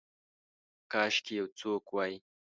کاشکي یو څوک وی